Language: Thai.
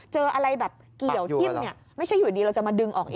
เจออะไรแบบเกี่ยวทิ้มไม่ใช่อยู่ดีเราจะมาดึงออกเอง